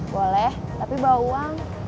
boleh tapi bawa uang